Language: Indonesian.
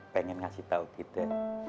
pengen ngasih tau kita